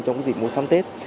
trong dịp mua sắm tết